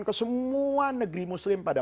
ke semua negeri muslim pada